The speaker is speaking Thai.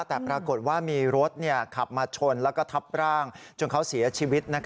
แต่ปรากฏว่ามีรถขับมาชนแล้วก็ทับร่างจนเขาเสียชีวิต